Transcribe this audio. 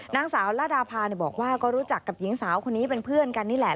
นางสาวละดาพาบอกว่าก็รู้จักกับหญิงสาวคนนี้เป็นเพื่อนกันนี่แหละ